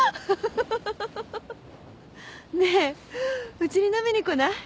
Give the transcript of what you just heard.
ねえウチに飲みに来ない？